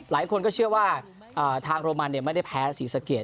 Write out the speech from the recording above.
หลายคนก็เชื่อว่าทางโรมันมีไชว์ไม่ได้แพ้สีสะเก็ต